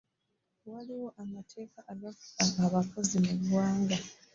Waliwo amateeka agafuga abakozi mu ggwanga.